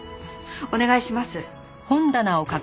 お願いします。